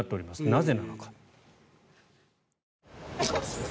なぜなのか。